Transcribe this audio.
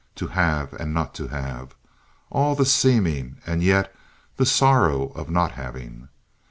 To have and not to have! All the seeming, and yet the sorrow of not having!